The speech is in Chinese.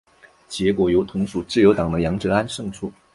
结果由同属自由党的杨哲安胜出。